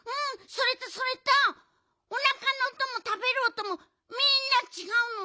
それとそれとおなかのおともたべるおともみんなちがうの。